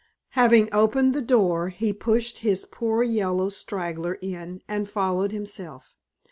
Having opened the door, he pushed his poor yellow straggler in and followed himself.